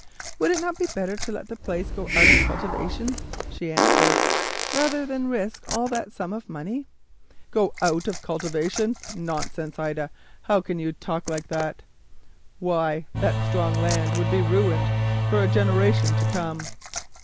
"Would it not be better to let the place go out of cultivation, rather than risk so much money?" she answered. "Go out of cultivation! Nonsense, Ida, how can you talk like that? Why that strong land would be ruined for a generation to come."